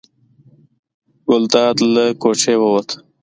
ګلداد له کوټې ووت.